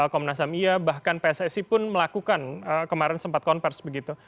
komnas ham iya bahkan pssi pun melakukan kemarin sempat konversi begitu